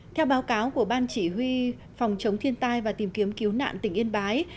theo báo cáo của ban chỉ huy phòng chống thiên tai và tìm kiếm cứu nạn tỉnh yên bái